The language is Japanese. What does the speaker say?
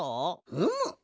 うむ。